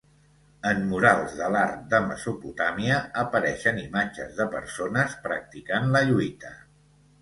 En murals de l'art de Mesopotàmia apareixen imatges de persones practicant la lluita.